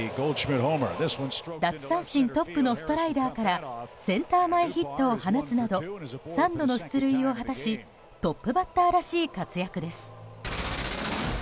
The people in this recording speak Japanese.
奪三振トップのストライダーからセンター前ヒットを放つなど３度の出塁を果たしトップバッターらしい活躍です。